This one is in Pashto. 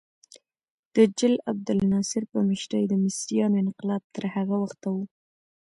د جل عبدالناصر په مشرۍ د مصریانو انقلاب تر هغه وخته و.